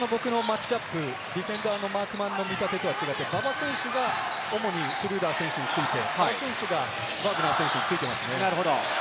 最初の僕のマッチアップ、ディフェンダーのマークマンの見立てとは違って、馬場選手が主にシュルーダー選手について原選手がバグナー選手についてますね。